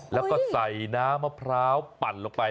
แล้วก็ใส่น้ำมะพร้าวปั่นลงไป